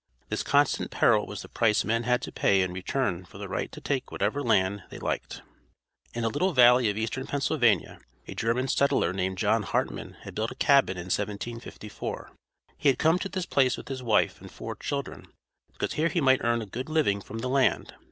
This constant peril was the price men had to pay in return for the right to take whatever land they liked. In a little valley of eastern Pennsylvania a German settler named John Hartman had built a cabin in 1754. He had come to this place with his wife and four children because here he might earn a good living from the land.